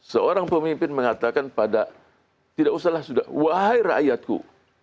seorang pemimpin mengatakan pada tidak usahlah sudah wahai rakyatku